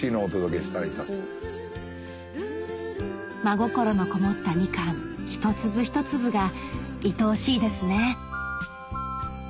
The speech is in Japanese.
真心のこもったみかん一粒一粒がいとおしいですね